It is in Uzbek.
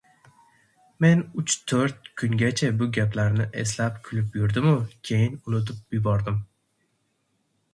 Men uch-to‘rt kungacha bu gaplarni eslab kulib yurdimu keyin unutib yubordim.